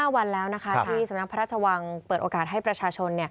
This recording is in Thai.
๕วันแล้วนะคะที่สำนักพระราชวังเปิดโอกาสให้ประชาชน